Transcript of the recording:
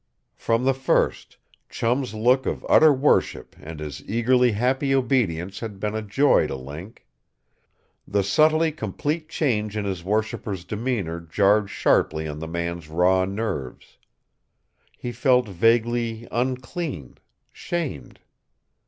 From the first, Chum's look of utter worship and his eagerly happy obedience had been a joy to Link. The subtly complete change in his worshiper's demeanor jarred sharply on the man's raw nerves. He felt vaguely unclean shamed.